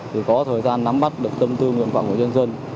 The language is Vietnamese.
thì có thời gian nắm bắt được tâm tư nguyện vọng của nhân dân